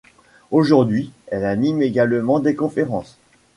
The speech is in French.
Aujourd'hui, elle anime également des conférences.